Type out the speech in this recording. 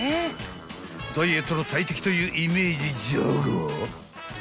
［ダイエットの大敵というイメージじゃが］